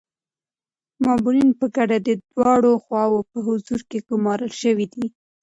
مامورین په ګډه د دواړو خواوو په حضور کي ګمارل شوي دي.